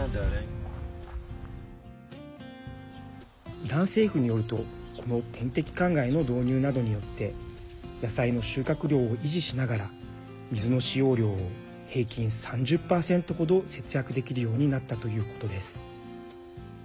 イラン政府によるとこの点滴かんがいの導入などによって野菜の収穫量を維持しながら水の使用量を平均３０％程節約できるようになったということです。